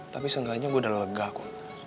tapi seenggaknya gue udah lega kok